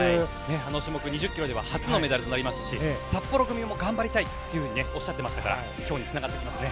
あの種目２０ｋｍでは初のメダルとなりましたし札幌組も頑張りたいとおっしゃっていましたから今日につながりますね。